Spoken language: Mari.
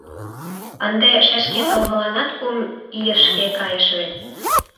Ынде шешке толмыланат кум ийышке кайыш вет?